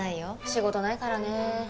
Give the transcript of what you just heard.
仕事ないからね。